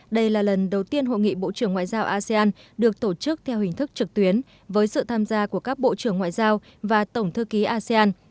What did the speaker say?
đây là lần đầu tiên hội nghị bộ trưởng ngoại giao asean được tổ chức theo hình thức trực tuyến với sự tham gia của các bộ trưởng ngoại giao và tổng thư ký asean